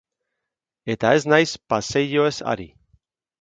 Eta ez naiz paseilloez ari.